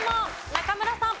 中村さん。